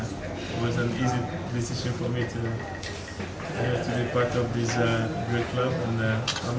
itu adalah pilihan yang mudah untuk saya untuk menjadi bagian dari klub yang baik ini